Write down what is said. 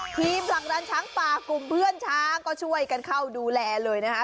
ผลักดันช้างป่ากลุ่มเพื่อนช้างก็ช่วยกันเข้าดูแลเลยนะคะ